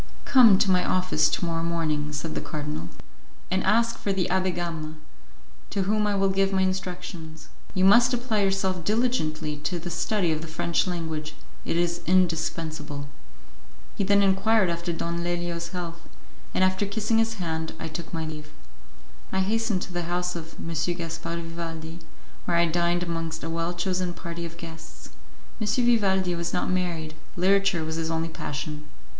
"Come to my office to morrow morning," said the cardinal, "and ask for the Abbé Gama, to whom I will give my instructions. You must apply yourself diligently to the study of the French language; it is indispensable." He then enquired after Don Leilo's health, and after kissing his hand I took my leave. I hastened to the house of M. Gaspar Vivaldi, where I dined amongst a well chosen party of guests. M. Vivaldi was not married; literature was his only passion.